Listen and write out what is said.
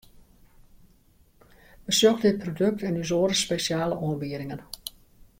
Besjoch dit produkt en ús oare spesjale oanbiedingen!